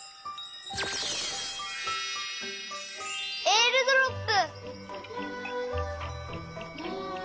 えーるドロップ！